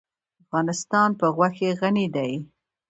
افغانستان په غوښې غني دی.